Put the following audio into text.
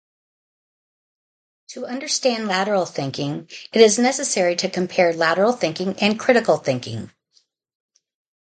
To understand lateral thinking, it is necessary to compare lateral thinking and critical thinking.